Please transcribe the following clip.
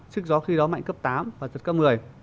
sức gió khi đó mạnh cấp tám và giật cấp một mươi